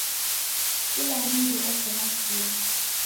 Kila mundu oko na simu